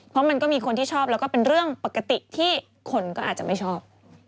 เพราะมันก็มีคนที่ชอบแล้วก็เป็นเรื่องปกติที่คนก็อาจจะไม่ชอบ